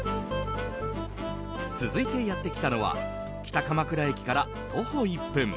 続いてやってきたのは北鎌倉駅から徒歩１分。